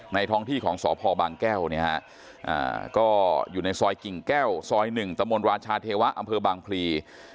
ในท้องที่ของสพบางแก้วอยู่ในซอยกิ่งแก้วซอยหนึ่งตมรรจาเทวะอบพลี